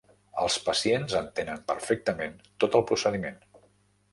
Els pacients entenen perfectament tot el procediment.